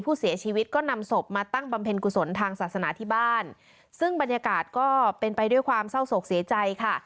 ผู้เสียชีวิตก็นำศพมาตั้งบำเพ็ญกุศลทางศาสนาที่บ้านซึ่งบรรยากาศก็เป็นไปด้วยความเศร้าโศกเสียใจค่ะ